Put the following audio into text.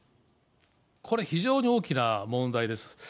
これ、非常に大きな問題です。